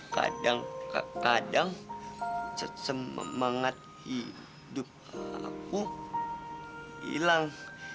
kadang kadang semangat hidup aku hilang